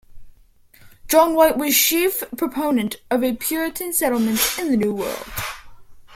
John White was chief proponent of a Puritan settlement in the New World.